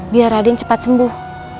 biar raden cepat sembuh